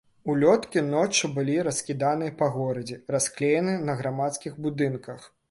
Улёткі ноччу былі раскіданыя па горадзе, расклееныя на грамадскіх будынках.